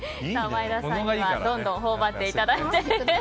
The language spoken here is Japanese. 前田さんにはどんどん頬張っていただいて。